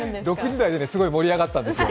６時台で、すごい盛り上がったんですよ。